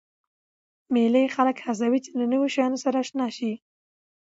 مېلې خلک هڅوي، چي له نوو شیانو سره اشنا سي.